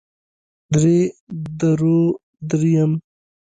درې درو درېيم